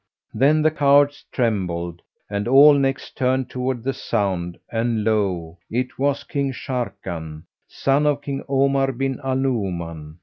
Then the cowards trembled and all necks turned towards the sound, and lo! it was King Sharrkan, son of King Omar bin al Nu'uman.